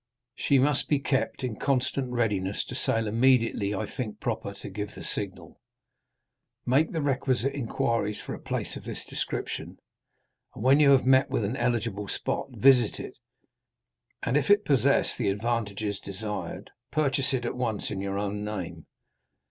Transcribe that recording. She must be kept in constant readiness to sail immediately I think proper to give the signal. Make the requisite inquiries for a place of this description, and when you have met with an eligible spot, visit it, and if it possess the advantages desired, purchase it at once in your own name.